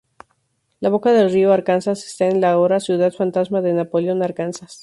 La boca del río Arkansas está en la ahora ciudad fantasma de Napoleon, Arkansas.